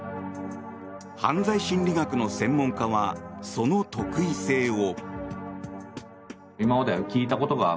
犯罪心理学の専門家はその特異性を。